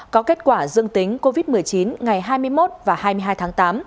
có kết quả dương tính covid một mươi chín ngày hai mươi một và hai mươi hai tháng tám